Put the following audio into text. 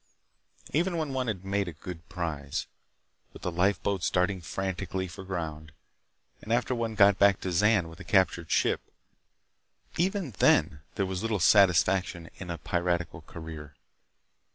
Even when one had made a good prize—with the lifeboats darting frantically for ground—and after one got back to Zan with a captured ship, even then there was little satisfaction in a piratical career.